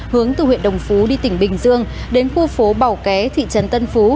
hướng từ huyện đồng phú đi tỉnh bình dương đến khu phố bảo ké thị trấn tân phú